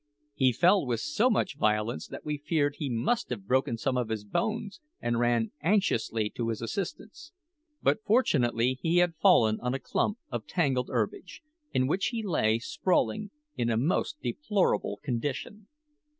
He fell with so much violence that we feared he must have broken some of his bones, and ran anxiously to his assistance; but fortunately he had fallen on a clump of tangled herbage, in which he lay sprawling in a most deplorable condition.